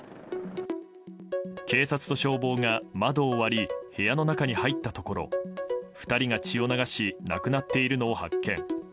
警察と消防が窓を割り部屋の中に入ったところ２人が血を流し亡くなっているのを発見。